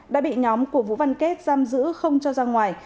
đã bị nhóm của vũ văn kết giam giữ không cho ra ngoài